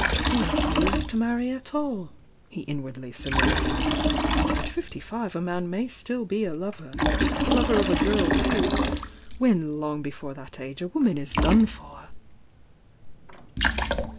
"We are fools to marry at all!" he inwardly solilo quized. "At fifty five a man may still be a lover— and lover of a girl, too — when long before that age a woman is done for!"